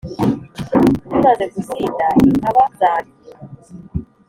Bimaze gusinda inkaba zanjye